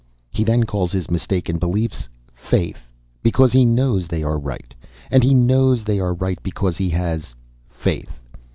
He then calls his mistaken beliefs 'faith' because he knows they are right. And he knows they are right because he has faith.